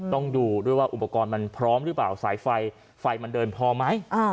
ต้องดูด้วยว่าอุปกรณ์มันพร้อมหรือเปล่าสายไฟไฟมันเดินพอไหม